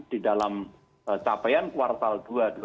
di dalam capaian kuartal dua dua ribu dua puluh